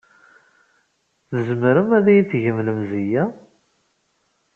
Tzemrem ad iyi-tgem lemzeyya?